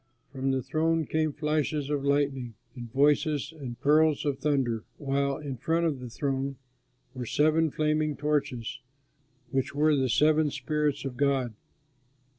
From the throne came flashes of lightning and voices and peals of thunder, while in front of the throne were seven flaming torches, which were the seven spirits of God.